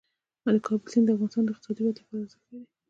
د کابل سیند د افغانستان د اقتصادي ودې لپاره ارزښت لري.